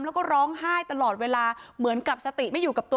แล้วก็ร้องไห้ตลอดเวลาเหมือนกับสติไม่อยู่กับตัว